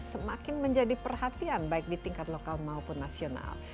semakin menjadi perhatian baik di tingkat lokal maupun nasional